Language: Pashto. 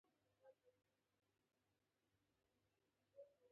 ګلاب د مینې شونډې ښکلوي.